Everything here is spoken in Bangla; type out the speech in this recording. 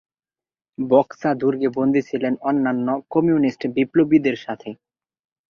বক্সা দুর্গে বন্দী ছিলেন অন্যান্য কমিউনিস্ট বিপ্লবীদের সাথে।